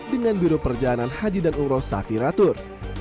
dengan biro perjalanan haji dan umroh safira turs